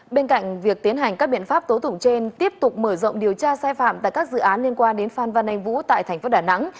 bên cạnh việc tiến hành các biện pháp tố tụng trên tiếp tục mở rộng điều tra sai phạm tại các dự án liên quan đến phan văn anh vũ tại tp đà nẵng